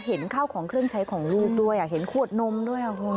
เห็นข้าวของเครื่องใช้ของลูกด้วยเห็นขวดนมด้วยคุณ